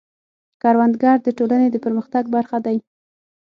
کروندګر د ټولنې د پرمختګ برخه دی